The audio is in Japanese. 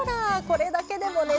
これだけでもね